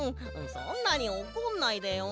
そんなにおこんないでよ。